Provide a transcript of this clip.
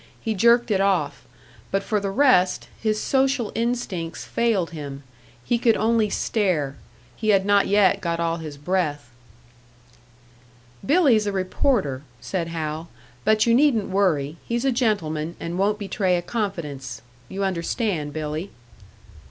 He jerked it off; but for the rest, his social instincts failed him. He could only stare. He had not yet got all his breath. "Billy's a reporter," said Hal. "But you needn't worry he's a gentleman, and won't betray a confidence. You understand, Billy."